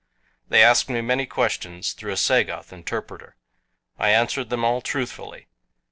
They asked me many questions, through a Sagoth interpreter. I answered them all truthfully.